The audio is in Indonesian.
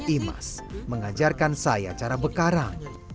imas mengajarkan saya cara bekarang